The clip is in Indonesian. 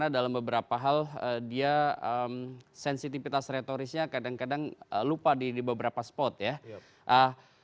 dalam beberapa hal dia sensitivitas retorisnya kadang kadang lupa di beberapa spot ya